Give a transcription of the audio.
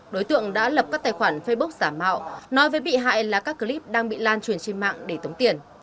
đối tượng đã lập các tài khoản facebook giả mạo nói với bị hại là các clip đang bị lan truyền trên mạng để tống tiền